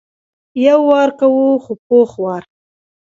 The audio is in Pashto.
یو وار کوو خو پوخ وار.